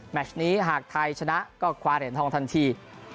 ชนี้หากไทยชนะก็คว้าเหรียญทองทันที